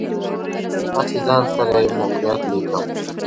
هسې ځان سره یې موقعیت لیکم.